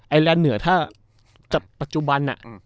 แลนด์เหนือถ้าจับปัจจุบัน